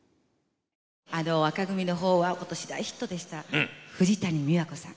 紅組の方は今年大ヒットでした藤谷美和子さん。